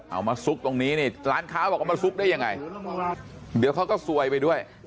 มาซุกตรงนี้นี่ร้านค้าบอกว่ามาซุกได้ยังไงเดี๋ยวเขาก็ซวยไปด้วย